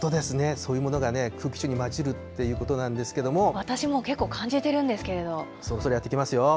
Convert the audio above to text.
そういうものが空気中にまじると私もう、結構感じてるんですそろそろやって来ますよ。